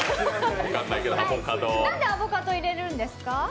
なんでアボカド入れるんですか？